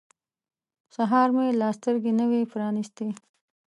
سهار مې لا سترګې نه وې پرانیستې.